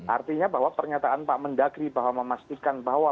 artinya bahwa pernyataan pak mendagri bahwa memastikan bahwa